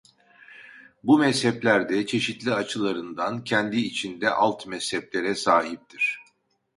Bu mezhepler de çeşitli açılarından kendi içinde alt mezheplere sahiptir.